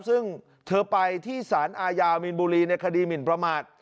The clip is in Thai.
ซึ่งเธอไปที่สารอาญามีนบุรีในคดีหมินประมาท